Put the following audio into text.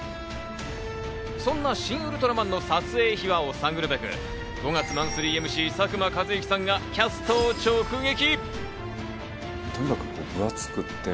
そんな『シン・ウルトラマン』の撮影秘話を探るべく、５月のマンスリーＭＣ・佐久間一行さんがキャストを直撃。